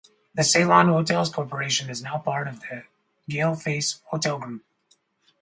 The Ceylon Hotels Corporation is now part of the Galle Face Hotel Group.